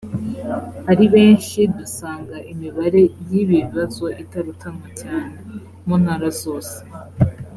ari benshi dusanga imibare y ibi bibazo itarutanwa cyane mu ntara zose